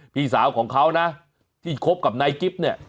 พี่สาวของเขานะที่คบกับนายกิ๊บเนี่ย